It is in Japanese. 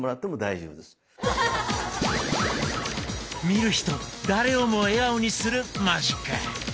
見る人誰をも笑顔にするマジック！